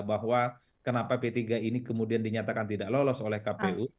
bahwa kenapa p tiga ini kemudian dinyatakan tidak lolos oleh kpu